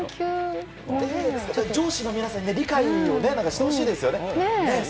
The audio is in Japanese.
上司の皆さんも理解してほしいですよね。